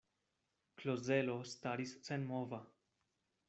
Klozelo staris senmova.